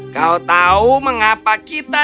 kau tahu mengapa kita tidak memiliki lampu